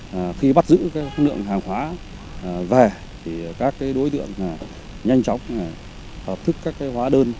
vì khi bắt giữ lượng hàng hóa về các đối tượng nhanh chóng hợp thức các hóa đơn